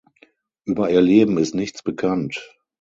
Über ihr Leben ist nichts bekannt.